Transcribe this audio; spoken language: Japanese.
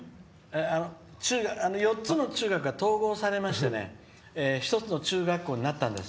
４つの中学が統合されまして１つの中学校になったんです。